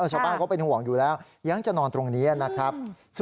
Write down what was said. ชาวบ้านเขาเป็นห่วงอยู่แล้วยังจะนอนตรงนี้นะครับ